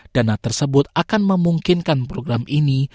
dana tersebut akan memungkinkan program ini